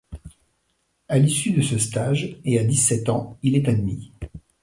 À l'issue de ce stage, et à dix-sept ans, il est admis..